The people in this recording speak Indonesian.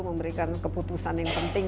memberikan keputusan yang penting